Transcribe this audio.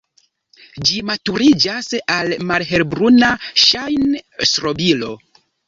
Ĝi maturiĝas al malhelbruna ŝajn-strobilo.